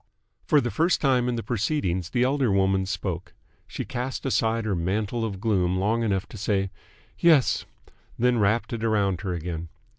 For the first time in the proceedings the elder woman spoke. She cast aside her mantle of gloom long enough to say "Yes," then wrapped it round her again.